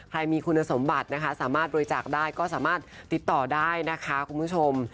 ใครมีคุณสมบัตินะคะสามารถบริจาคได้ก็สามารถติดต่อได้นะคะคุณผู้ชม